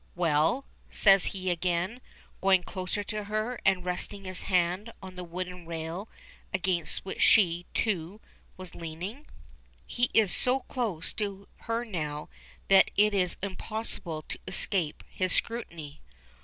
"Well?" says he again, going closer to her and resting his hand on the wooden rail against which she, too, was leaning. He is So close to her now that it is impossible to escape his scrutiny.